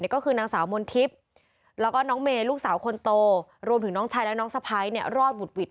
ก็คือนางสาวมนทิพย์แล้วก็น้องเมย์ลูกสาวคนโตรวมถึงน้องชายและน้องสะพ้ายรอดบุดหวิด